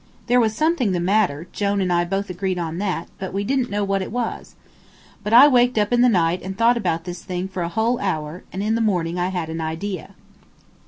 There was something the matter, Jone and I both agreed on that, but we didn't know what it was. But I waked up in the night and thought about this thing for a whole hour, and in the morning I had an idea.